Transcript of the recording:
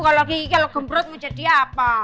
kalau kiki kalau gembrot mau jadi apa